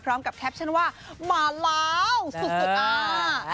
พร้อมกับแคปชั่นว่ามาแล้วสุดอ่า